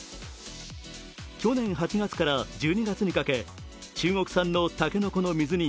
去年８月から１２月にかけ中国産のたけのこの水煮